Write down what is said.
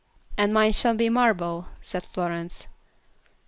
"And mine shall be Marble," said Florence.